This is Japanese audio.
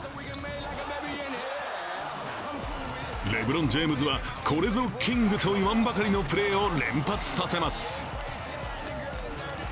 レブロン・ジェームズはこれぞキングといわんばかりのプレーを連発させます。